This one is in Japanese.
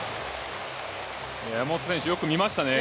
山本選手、よく見ましたね。